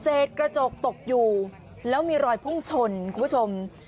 กระจกตกอยู่แล้วมีรอยพุ่งชนคุณผู้ชม